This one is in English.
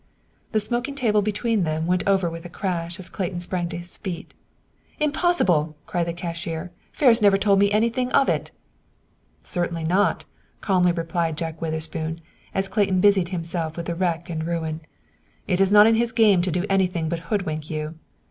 The smoking table between them went over with a crash as Clayton sprang to his feet. "Impossible!" cried the cashier. "Ferris never told me anything of it." "Certainly not," calmly replied Jack Witherspoon, as Clayton busied himself with the wreck and ruin. "It's not in his game to do anything but hoodwink you.